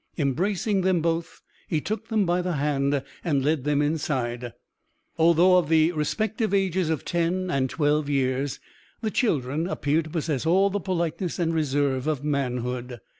Embracing them both, he took them by the hand and led them inside. Although of the respective ages of ten and twelve years, the children appeared to possess all the politeness and reserve of manhood.